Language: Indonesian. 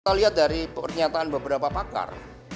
kita lihat dari pernyataan beberapa pakar